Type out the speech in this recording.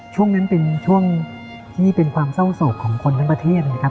ช่วงนั้นเป็นช่วงที่เป็นความเศร้าโศกของคนทั้งประเทศนะครับ